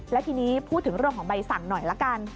และทีนี้พูดถึงเรื่องของใบสั่งหน่อยละกัน